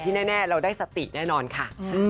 แต่ที่แน่เราได้สติแน่นอนค่ะ